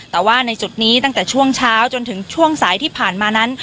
แต่ว่าในจุดนี้ตั้งแต่ช่วงเช้าจนถึงช่วงสายที่ผ่านมานั้น